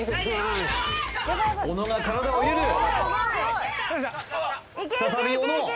小野が体を入れる再び小野！